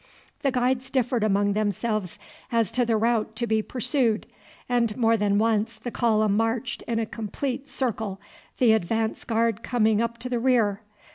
The guides differed among themselves as to the route to be pursued, and more than once the column marched in a complete circle, the advance guard coming up to the rear.